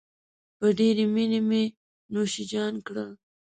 په ډېرې مينې مې نوشیجان کړل.